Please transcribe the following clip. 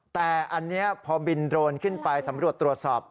แต่อันนี้พอบินโดรนขึ้นไปสำรวจตรวจสอบ